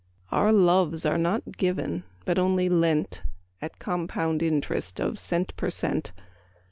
Our loves are not given, but only lent, At compound interest of cent per cent.